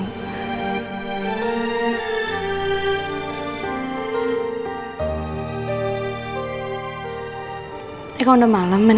daripada kamu pada saat ini